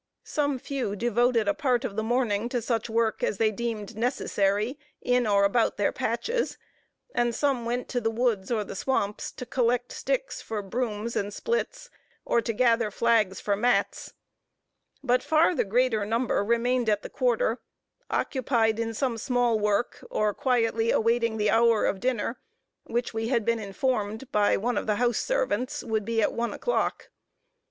Some few devoted a part of the morning to such work as they deemed necessary in or about their patches, and some went to the woods, or the swamps, to collect sticks for brooms, and splits, or to gather flags for mats; but far the greater number remained at the quarter, occupied in some small work, or quietly awaiting the hour of dinner, which we had been informed, by one of the house servants, would be at one o'clock.